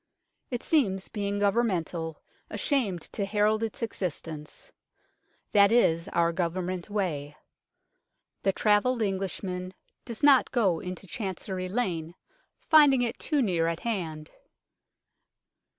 It seems, being Governmental, ashamed to herald its existence. That is our Government way. The travelled Englishman does not go into Chancery Lane, finding it too near at hand.